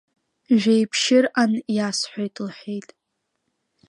Жәеиԥшьырҟан иасҳәоит, — лҳәеит.